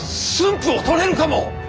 府を取れるかも！